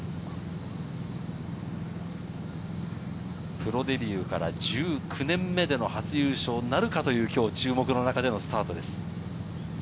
プロデビューから１９年目での初優勝なるかという、きょう注目の中でのスタートです。